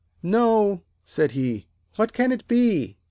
}] 'No,' said he. 'What can it be?